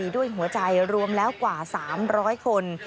ด้วยหัวใจรวมแล้วกว่า๓๐๐คน